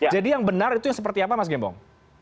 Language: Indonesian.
jadi yang benar itu seperti apa mas gembong